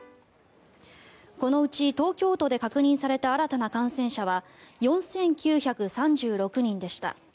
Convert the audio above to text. このうち東京都で確認された新たな感染者は４９３６人でした。